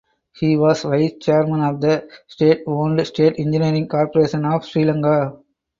He was vice chairman of the state owned State Engineering Corporation of Sri Lanka.